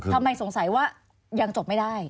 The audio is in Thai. ทำไมสงสัยว่ายังจบไม่ได้